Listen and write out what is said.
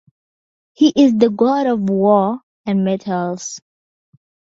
He is the god of war and metals.